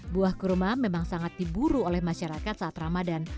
buah kurma memang sangat diburu oleh masyarakat saat ramadan